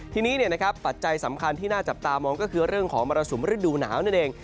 ทีนี้ปัจจัยสำคัญที่น่าจับตามองก็คือเรื่องของมรสุมฤดูหนาวนั่นเอง